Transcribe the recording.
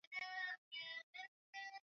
eneo lenye utajiri mkubwa wa mafuta wa niger delta